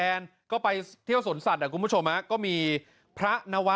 เออนี่หละพ